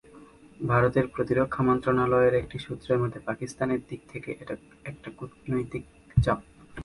ভারতের প্রতিরক্ষা মন্ত্রণালয়ের একটি সূত্রের মতে, পাকিস্তানের দিক থেকে এটা একটা চাপের কূটনীতি।